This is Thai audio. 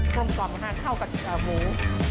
กลมก่อนก็ค่ะเข้ากับหมู